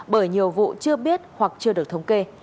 bởi nhiều vụ chưa biết hoặc chưa được thống kê